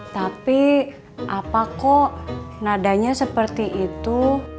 tapi apa kok nadanya seperti itu